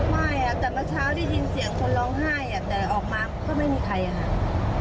ไม่แต่เมื่อเช้าได้ยินเสียงคนร้องไห้แต่ออกมาก็ไม่มีใครค่ะ